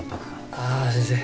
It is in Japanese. ああ先生